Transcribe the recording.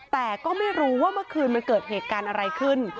แต่ก็ไม่รู้ว่าเมื่อคืนมันเกิดเหตุการณ์อะไรขึ้น